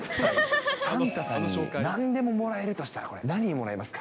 サンタさんになんでももらえるとしたら何もらいますか？